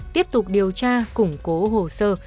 tiếp tục điều tra củng cố hồ sơ